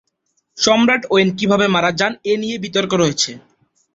সম্রাট ওয়েন কিভাবে মারা যান এ নিয়ে বিতর্ক রয়েছে।